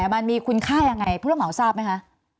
มันมีคุณค่ายังไงผู้รับเหมาทราบไหมคะ